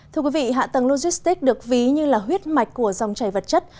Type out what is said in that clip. thưa quý vị hạ tầng logistics được ví như là huyết mạch của dòng chảy vật chất